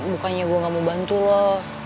bukannya saya tidak mau membantu kamu